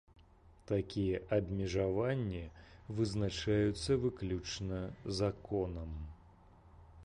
Такія абмежаванні вызначаюцца выключна законам.